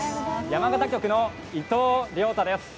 山形局の伊藤亮太です。